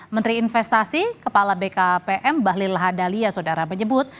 menteri investasi kepala bkpm bahlil lahadalia sodara menyebut